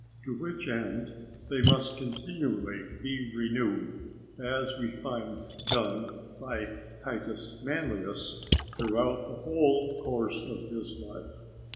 To which end, they must continually be renewed, as we find done by Titus Manlius throughout the whole course of his life.